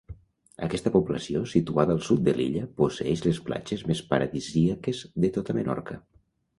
Aquesta població situada al sud de l'illa posseeix les platges més paradisíaques de tota Menorca.